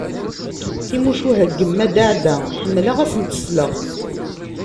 Timucuha n yemma Daɛda ḥemmleɣ ad asent-sleɣ.